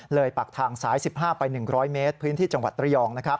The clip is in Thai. ปากทางสาย๑๕ไป๑๐๐เมตรพื้นที่จังหวัดระยอง